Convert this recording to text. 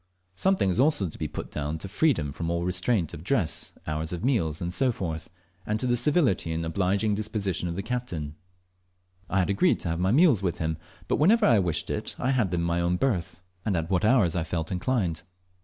Something is also to be put down to freedom from all restraint of dress, hours of meals, &c., and to the civility and obliging disposition of the captain. I had agreed to have my meals with him, but whenever I wished it I had them in my own berth, and at what hours I felt inclined.